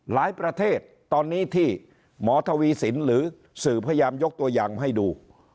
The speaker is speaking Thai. ประเทศตอนนี้ที่หมอทวีสินหรือสื่อพยายามยกตัวอย่างให้ดู